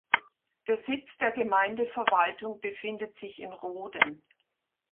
Der Sitz der Gemeindeverwaltung befindet sich in Roden.